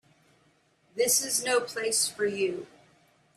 This is no place for you.